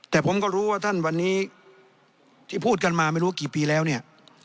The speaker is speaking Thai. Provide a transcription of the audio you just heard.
แต่ผมก็รู้ว่าท่านวันนี้ที่พูดกันมาไม่รู้กี่ปีแล้วเนี่ย